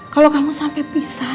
kalau kamu sampai pisah